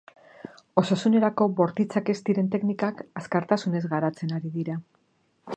Osasunerako bortitzak ez diren teknikak azkartasunez garatzen ari dira.